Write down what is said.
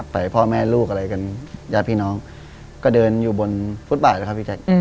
ไปพ่อแม่ลูกอะไรกันยาดพี่น้องก็เดินอยู่บนฟุตบาทนะครับพี่จักร